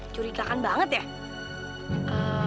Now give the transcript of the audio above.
curigakan banget ya